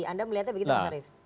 anda melihatnya begitu mas arief